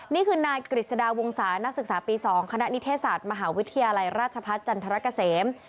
นี่คือนายกฤษฎาวงศานักศึกษาปี๒คณะนิเทศศาสตร์มหาวิทยาลัยราชพัฒน์จันทรกะเสม